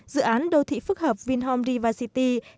dự án đô thị phức hợp vingroup river city